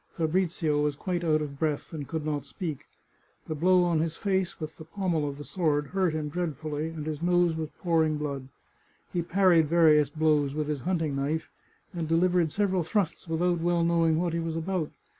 Fabrizio was quite out of breath, and could not speak ; the blow on his face with the pommel of the sword hurt him dreadfully, and his nose was pouring blood. He parried various blows with his hunting knife, and deliv ered several thrusts without well knowing what he was about.